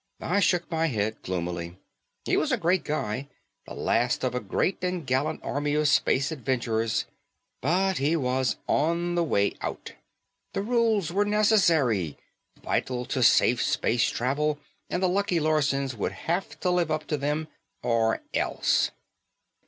I shook my head gloomily. He was a great guy, the last of a great and gallant army of space adventurers, but he was on the way out. The rules were necessary, vital to safe space travel and the Lucky Larsons would have to live up to them, or else.